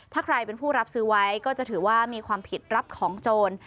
ถ้าใครเป็นผู้รับซื้อไว้ก็จะถือว่ามีความผิดรับของโจร